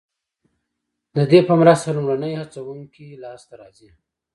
ددې په مرسته لومړني هڅوونکي لاسته راځي.